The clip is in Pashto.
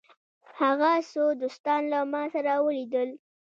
هغه څو دوستان له ما سره ولیدل.